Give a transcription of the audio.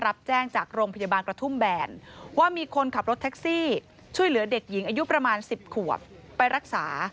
รับแจ้งจากโรงพยาบาลกระทุ่มแบนว่ามีคนขับรถแท็กซี่ช่วยเหลือเด็กหญิงอายุประมาณ๑๐ขวบไปรักษา